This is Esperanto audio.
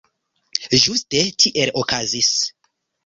Ĝuste tiel okazis.